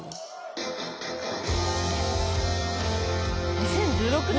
２０１６年。